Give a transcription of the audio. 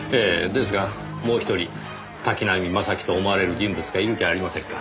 ですがもう１人滝浪正輝と思われる人物がいるじゃありませんか。